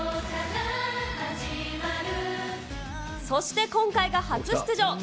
そして今回が初出場。